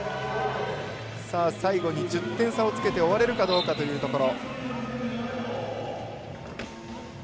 最後に１０点差をつけて終われるかどうかというところ。